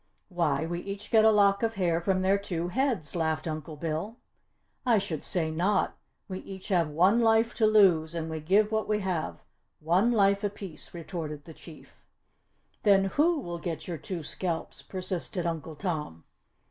"Why, we each get a lock of hair from their two heads!" laughed Uncle Bill. "I should say not! We each have one life to lose and we give what we have, one life apiece," retorted the Chief. "Then, who will get your two scalps?" persisted Uncle Tom.